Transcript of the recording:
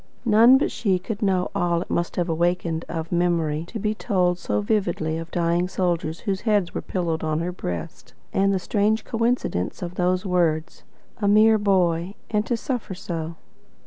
None but she could know all it must have awakened of memory to be told so vividly of the dying soldiers whose heads were pillowed on her breast, and the strange coincidence of those words, "A mere boy and to suffer so!"